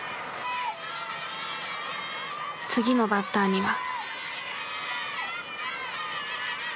次のバッターには。